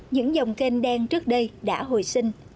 những dòng kênh đen trước đây đã hồi sinh